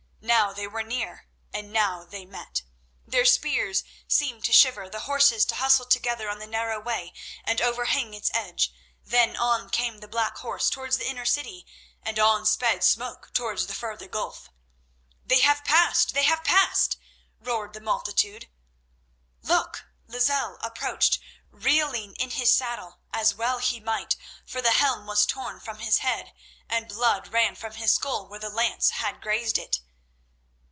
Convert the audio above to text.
Now they were near, and now they met. The spears seemed to shiver, the horses to hustle together on the narrow way and overhang its edge, then on came the black horse towards the inner city, and on sped Smoke towards the further gulf. "They have passed! They have passed!" roared the multitude. Look! Lozelle approached, reeling in his saddle, as well he might, for the helm was torn from his head and blood ran from his skull where the lance had grazed it.